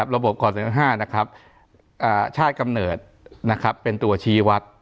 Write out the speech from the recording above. ระบบก่อน๒๔๕ชาติกำเนิดเป็นตัวชีวัตต์